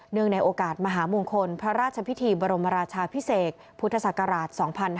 ในโอกาสมหามงคลพระราชพิธีบรมราชาพิเศษพุทธศักราช๒๕๕๙